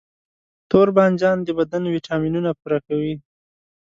توربانجان د بدن ویټامینونه پوره کوي.